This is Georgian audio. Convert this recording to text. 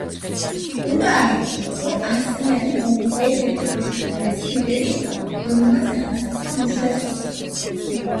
უნდა აღინიშნოს, რომ ასწლიანი ომის ერთ-ერთი უმნიშვნელოვანესი ლიდერი იყო, რომელმაც განსაზღვრა მისი დასასრული.